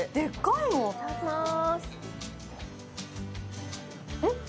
いただきまーす。